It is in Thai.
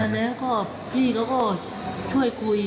เคลียร์แล้วก็พี่เค้าก็ช่วยคุย